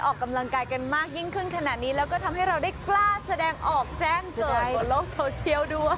ออกกำลังกายกันมากยิ่งขึ้นขนาดนี้แล้วก็ทำให้เราได้กล้าแสดงออกแจ้งเกิดบนโลกโซเชียลด้วย